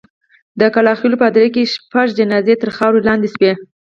د کلا خېلو په هدیره کې شپږ جنازې تر خاورو لاندې شوې.